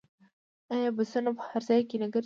آیا بسونه په هر ځای کې نه ګرځي؟